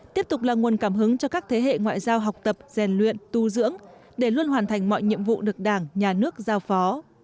tiếp tục là nguồn cảm hứng cho các thế hệ ngoại giao học tập rèn luyện tu dưỡng để luôn hoàn thành mọi nhiệm vụ được đảng nhà nước giao phó